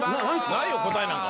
ないよ答えなんか。